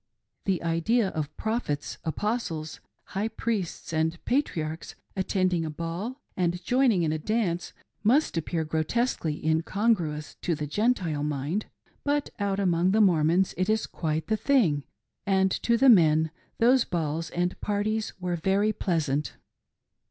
The idea of Prophets, Apostles, High Priests, and Patriarchs attending a ball and joining in a dance must appear grotesquely incongruous to the Gentile mind ; but out among the Mormons it is quite the thing ; and to the men those balls and parties were very pleasant.